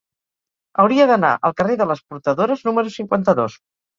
Hauria d'anar al carrer de les Portadores número cinquanta-dos.